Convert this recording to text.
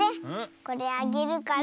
これあげるから。